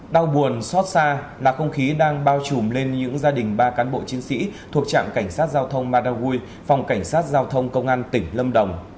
đau buồn xót xa là không khí đang bao trùm lên những gia đình ba cán bộ chiến sĩ thuộc trạm cảnh sát giao thông madagui phòng cảnh sát giao thông công an tỉnh lâm đồng